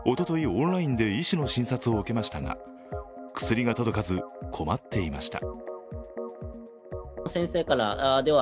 オンラインで、医師の診察を受けましたが、薬が届かず困っていました。